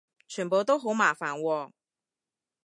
全部都好麻煩喎